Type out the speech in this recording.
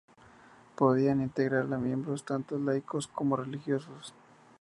Podían integrarla miembros tanto laicos como religiosos.